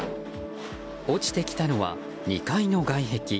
落ちてきたのは２階の外壁。